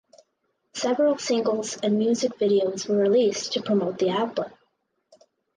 Several singles and music videos were released to promote the album.